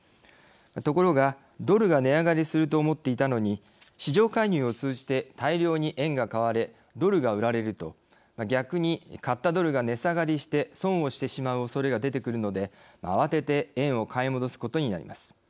ところがドルが値上がりすると思っていたのに市場介入を通じて大量に円が買われドルが売られると逆に買ったドルが値下がりして損をしてしまうおそれが出てくるので慌てて円を買い戻すことになります。